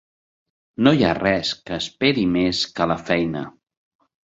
No hi ha res que esperi més que la feina.